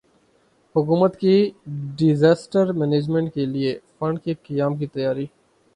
حکومت کی disaster management کیلئے فنڈ کے قیام کی تیاری